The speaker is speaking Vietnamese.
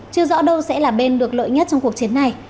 chưa rõ đâu sẽ là bên được lợi nhất trong cuộc chiến này